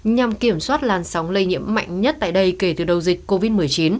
nhằm kiểm soát làn sóng lây nhiễm mạnh nhất tại đây kể từ đầu dịch covid một mươi chín